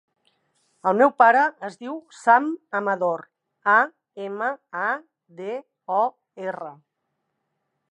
El meu pare es diu Sam Amador: a, ema, a, de, o, erra.